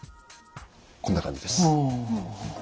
こんな感じです。